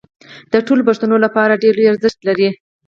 د ټولو پښتنو لپاره ډېر لوی ارزښت لري